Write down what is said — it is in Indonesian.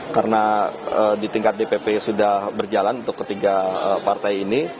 karena di tingkat dpp sudah berjalan untuk ketiga partai ini